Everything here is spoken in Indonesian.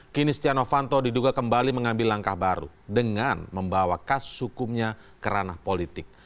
kini stiano fanto diduga kembali mengambil langkah baru dengan membawa kasus hukumnya ke ranah politik